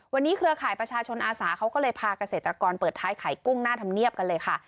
วันนี้เครือข่ายประชาชนอาสาเขาก็เลยพาเกษตรกรเปิดท้ายขายกุ้งหน้าธรรมเนียบกันเลยค่ะ